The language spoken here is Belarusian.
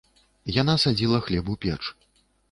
Яна садзіла хлеб у печ.